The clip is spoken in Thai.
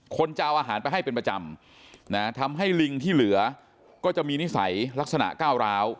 คนจะเอาอาหารไปให้เป็นประจำทำให้ลิงที่เหลือก็จะมีนิสัยลักษณะก้าวร้าว